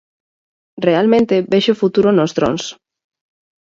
Realmente vexo futuro nos drons.